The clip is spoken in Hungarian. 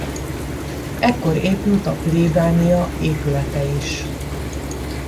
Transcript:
Ekkor épült a plébánia épülete is.